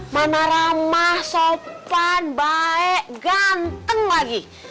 mana ramah sopan baik ganteng lagi